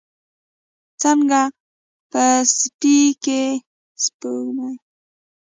څنګه په سیپۍ کې سپوږمۍ